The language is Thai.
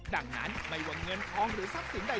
ดังนั้นไม่ว่าเงินทองหรือทรัพย์สินใด